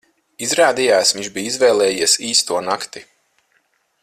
Izrādījās, viņš bija izvēlējies īsto nakti.